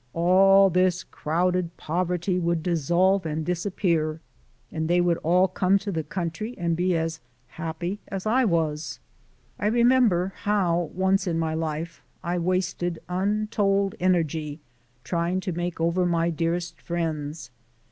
all this crowded poverty would dissolve and disappear, and they would all come to the country and be as happy as I was. I remember how, once in my life, I wasted untold energy trying to make over my dearest friends.